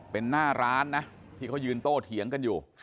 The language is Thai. เป็นหน้าร้านนะที่เขายืนโต้เถียงกันอยู่